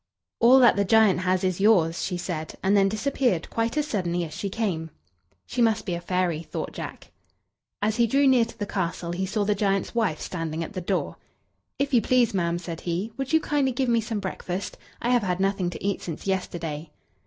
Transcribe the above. "All that the giant has is yours," she said, and then disappeared quite as suddenly as she came. "She must be a fairy," thought Jack. As he drew near to the castle, he saw the giant's wife standing at the door. "If you please, ma'am," said he, "would you kindly give me some breakfast? I have had nothing to eat since yesterday."